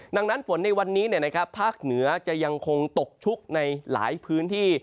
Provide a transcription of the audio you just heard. ดังนั้นฝนในวันนี้ภาคเหนือจะยังคงตกชุกในหลายพื้นที่